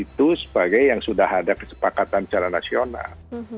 itu sebagai yang sudah ada kesepakatan secara nasional